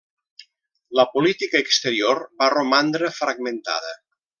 La política exterior va romandre fragmentada.